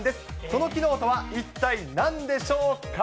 その機能とは一体なんでしょうか。